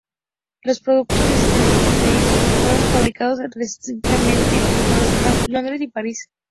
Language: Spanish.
Los productos de "S T D" fueron fabricados respectivamente en Wolverhampton, Londres y París.